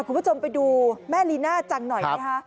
คุณผู้ชมไปดูแม่ลีน่าจังหน่อยนะคะ